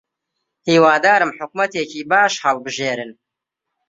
هیوادارم حکوومەتێکی باش هەڵبژێرن.